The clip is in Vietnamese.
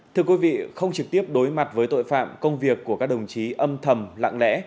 thưa quý vị không trực tiếp đối mặt với tội phạm công việc của các đồng chí âm thầm lặng lẽ